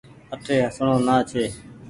اٺي هسڻو نآ ڇي ۔